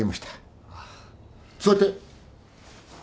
座って。